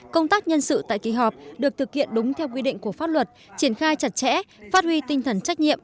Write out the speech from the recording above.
công tác nhân sự tại kỳ họp được thực hiện đúng theo quy định của pháp luật triển khai chặt chẽ phát huy tinh thần trách nhiệm